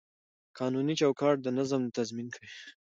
قانوني چوکاټ د نظم تضمین کوي.